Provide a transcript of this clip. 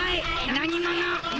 何者？